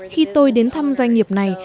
khi tôi đến thăm doanh nghiệp này